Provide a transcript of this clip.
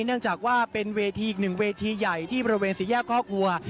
เนื่องจากว่าเป็นเวทีอีกหนึ่งเวทีใหญ่ที่บริเวณสี่แยกคอกวัว